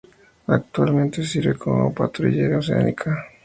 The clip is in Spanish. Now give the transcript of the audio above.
Actualmente sirve como patrullera oceánica.